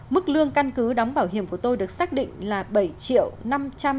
mức lương căn cứ đóng bảo hiểm của tôi được xác định là bảy triệu năm trăm chín mươi đồng một tháng